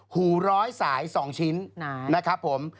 หูร้อยสาย๒ชิ้นนะครับผม